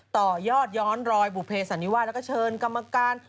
ต่อยอดย้อนรอยบุเภสันนิวาสแล้วก็เชิญกรรมการ